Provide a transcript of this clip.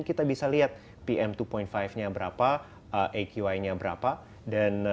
kita bisa lihat pm dua lima nya berapa aqy nya berapa dan